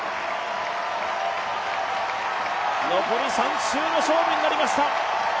残り３周の勝負になりました。